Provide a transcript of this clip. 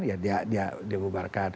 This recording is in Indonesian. ya dia dia bubarkan